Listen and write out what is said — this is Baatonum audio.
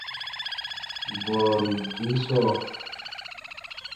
Bɔɔrin tii sɔɔ.